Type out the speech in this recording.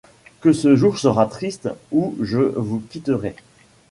Que ce jour sera triste où je vous quitterai !